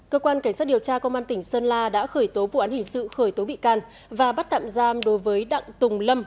cơ quan cảnh sát điều tra công an tỉnh sơn la đã khởi tố vụ án hình sự khởi tố bị can và bắt tạm giam đối với đặng tùng lâm